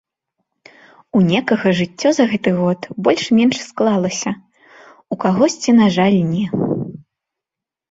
У некага жыццё за гэты год больш-менш склалася, у кагосьці, на жаль, не.